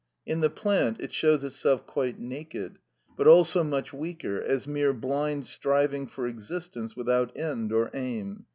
In the plant it shows itself quite naked, but also much weaker, as mere blind striving for existence without end or aim.